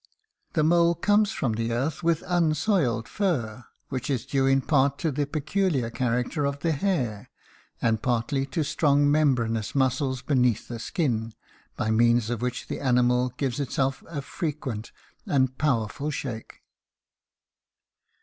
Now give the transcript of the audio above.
The mole comes from the earth with unsoiled fur, which is due in part to the peculiar character of the hair, and partly to strong membraneous muscles beneath the skin, by means of which the animal gives itself a frequent and powerful shake.